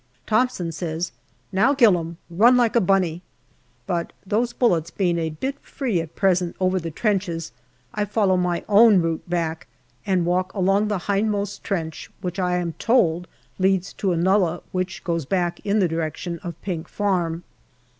Thomson says, " Now, Gillam, run like a bunny," but, those bullets being a bit free at present over the trenches, I follow my own route back and walk along the hindmost trench, which I am told leads to a nullah which goes back in the direction of Pink Farm.